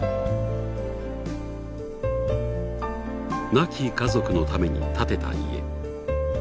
亡き家族のために建てた家。